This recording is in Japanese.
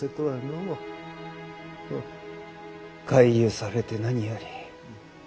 快癒されて何より。